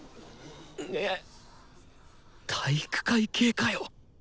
体育会系かよ。